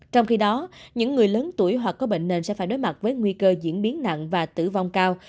trong khi đó những người lớn tuổi hoặc có bệnh nền sẽ phải đối mặt với nguy cơ diễn biến nặng và tử vong cao